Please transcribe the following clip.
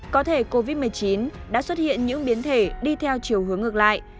có thể covid một mươi chín đã xuất hiện những biến thể đi theo chiều hướng ngược lại